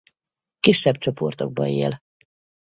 Kisebb csoportokba él.